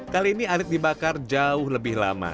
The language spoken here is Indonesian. kali ini arit dibakar jauh lebih lama